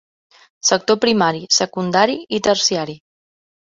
Sector primari, secundari i terciari.